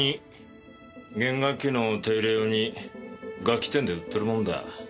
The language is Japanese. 弦楽器の手入れ用に楽器店で売ってるものだ。